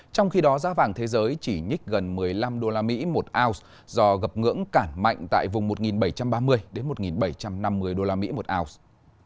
trong khi đó giá vàng thế giới chỉ nhích gần một mươi năm usd một ounce do gập ngưỡng cản mạnh tại vùng một bảy trăm ba mươi một bảy trăm năm mươi usd một ounce